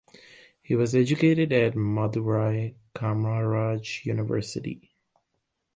He was educated at Madurai Kamaraj University.